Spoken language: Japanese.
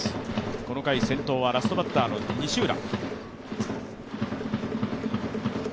この回、先頭はラストバッターの西浦。